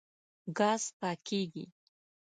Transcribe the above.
ګاز پاکېږي.